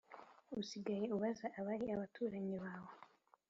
usigare ubaza abari abaturanyi bawe